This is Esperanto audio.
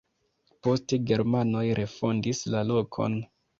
Poste germanoj refondis la lokon.